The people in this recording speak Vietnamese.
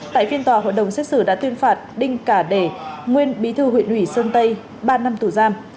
tại phiên tòa hội đồng xét xử đã tuyên phạt đinh cả đề nguyên bí thư huyện ủy sơn tây ba năm tù giam